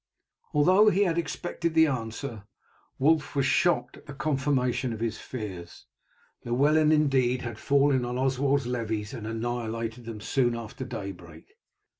Although he had expected the answer, Wulf was shocked at the confirmation of his fears. Llewellyn, indeed, had fallen on Oswald's levies and annihilated them soon after daybreak.